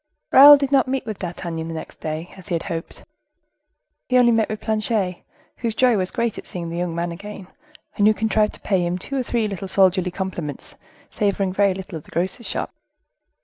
Raoul did not meet with D'Artagnan the next day, as he had hoped. He only met with Planchet, whose joy was great at seeing the young man again, and who contrived to pay him two or three little soldierly compliments, savoring very little of the grocer's shop.